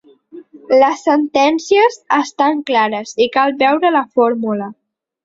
Les sentències estan clares, i cal veure la fórmula.